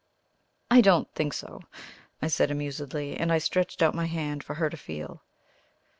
"I don't think so," I said amusedly, and I stretched out my hand for her to feel.